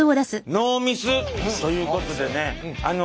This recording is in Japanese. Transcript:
「ノーミス」ということでねあの